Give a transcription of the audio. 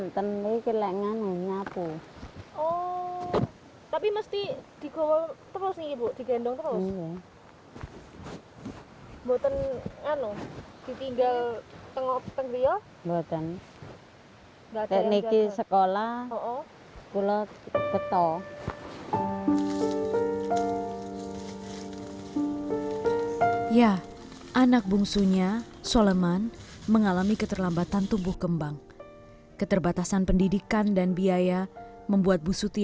tekniki sekolah kulit betul